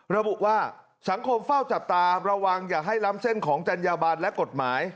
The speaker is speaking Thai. ระบุว่าสังคมเฝ้าจับตาระวังอย่าให้ล้ำเส้นของจัญญาบันและกฎหมาย